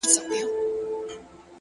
د فکر عادتونه سرنوشت جوړوي,